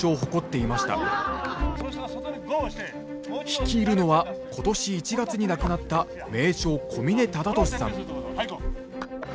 率いるのは今年１月に亡くなった名将小嶺忠敏さん。